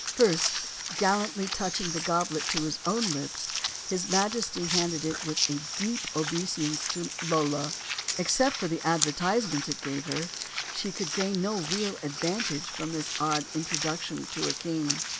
First gallantly touching the goblet to his 12 STORIES OF THE SUPER WOMEN own lips, his majesty handed it with a deep obeisance to Lola. Except for the advertisement it gave her, she could gain no real advantage from this odd introduction to a king.